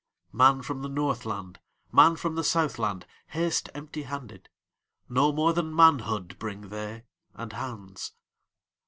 Man from the Northland, Man from the Southland, Haste empty handed; No more than manhoodBring they, and hands.